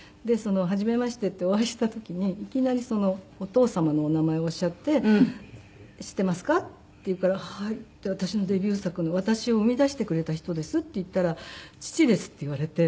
はじめましてってお会いした時にいきなりお父様のお名前をおっしゃって「知っていますか？」って言うから「はい。私のデビュー作の私を生み出してくれた人です」って言ったら「父です」って言われて。